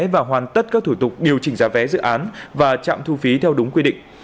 và hoàn tất các thủ tục điều chỉnh giá vé dự án và trạm thu phí theo đúng quy định